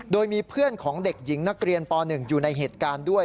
โดยมีเพื่อนของเด็กหญิงนักเรียนป๑อยู่ในเหตุการณ์ด้วย